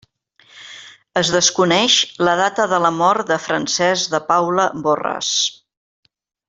Es desconeix la data de la mort de Francesc de Paula Borràs.